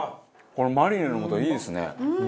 このマリネの素いいですね。